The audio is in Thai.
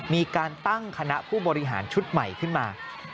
มีการตั้งคณะผู้บริหารชุดใหม่ขึ้นมา